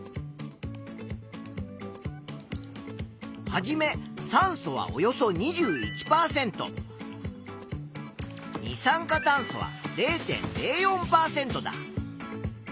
はじめ酸素はおよそ２１％二酸化炭素は０．０４％だ。